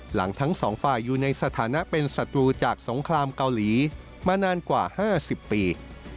หลังทั้งสองฝ่ายอยู่ในสถานะเป็นศัตรูจากสงครามเกาหลีมานานกว่า๕๐ปี